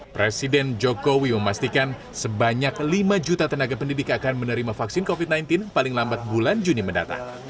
presiden jokowi memastikan sebanyak lima juta tenaga pendidik akan menerima vaksin covid sembilan belas paling lambat bulan juni mendatang